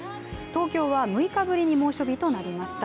東京は６日ぶりに猛暑日となりました。